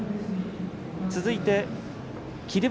続いて霧